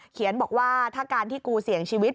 เขียนบอกว่าถ้าการที่กูเสี่ยงชีวิต